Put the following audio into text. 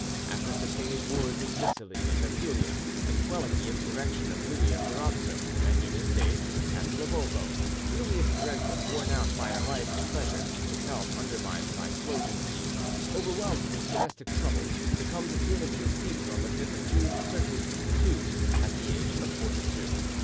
After sustaining wars in Sicily and Apulia, and quelling the insurrection of Louis of Durazzo, who ended his days in the castle of Ovo, Louis of Tarentum, worn out by a life of pleasure, his health undermined by slow disease, overwhelmed with domestic trouble, succumbed to an acute fever on the 5th of June 1362, at the age of forty two.